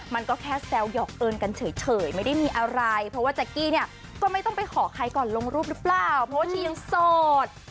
มันก็แค่แซวหยอกเอิญกันเฉยไม่ได้มีอะไรเพราะว่าแจ๊กกี้เนี่ยก็ไม่ต้องไปขอใครก่อนลงรูปหรือเปล่าเพราะว่าชียังโสด